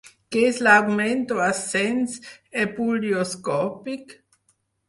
Què és l'augment o ascens ebullioscòpic?